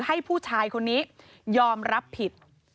ให้ผู้ชายคนนี้ยอมรับผิด